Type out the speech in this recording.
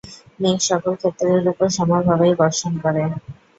মেঘ সকল ক্ষেত্রের উপর সমভাবেই বর্ষণ করে।